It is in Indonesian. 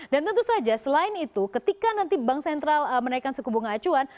dan tentu saja selain itu ketika nanti bank sentral menaikkan suku bunga acuan